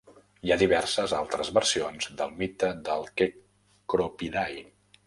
Hi ha diverses altres versions del mite del Kekropidai.